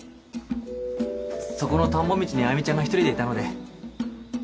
そこの田んぼ道に愛魅ちゃんが一人でいたので。